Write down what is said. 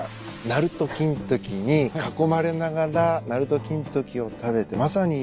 なると金時に囲まれながらなると金時を食べてまさに。